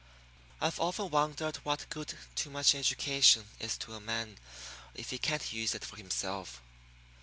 I've often wondered what good too much education is to a man if he can't use it for himself.